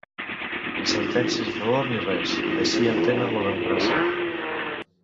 Ni sentències a favor ni res, així entenen la democràcia.